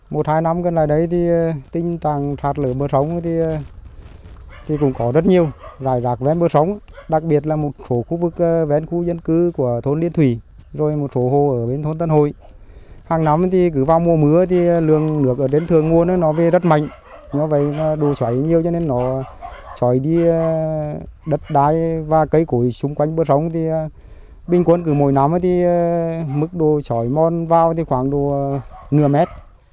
bình quân cứ mỗi năm thì mức đồ chảy môn vào khoảng đồ nửa mét